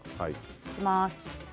いきます。